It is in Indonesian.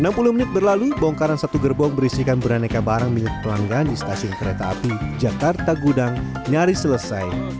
enam puluh menit berlalu bongkaran satu gerbong berisikan beraneka barang milik pelanggan di stasiun kereta api jakarta gudang nyaris selesai